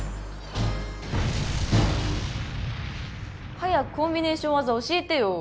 早くコンビネーションわざ教えてよ！